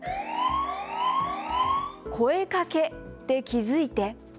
声かけで気付いて！